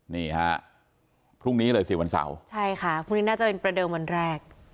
นี่ฮะพรุ่งนี้เลยสิวันเสาร์ใช่ค่ะพรุ่งนี้น่าจะเป็นประเดิมวันแรก